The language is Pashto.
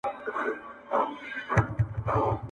o د اوښ غلا په چوغه نه کېږي٫